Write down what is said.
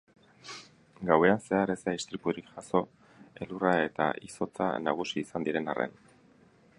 Gauean zehar ez da istripurik jazo elurra eta izotza nagusi izan diren arren.